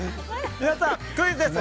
皆さん、クイズです。